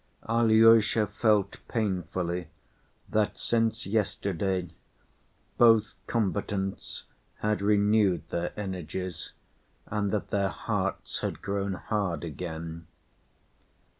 Alyosha felt painfully that since yesterday both combatants had renewed their energies, and that their hearts had grown hard again.